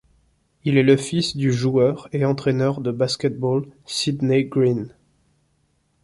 Il est le fils du joueur et entraîneur de basket-ball Sidney Green.